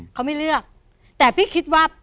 เขาไม่เลือกแต่พี่คิดว่า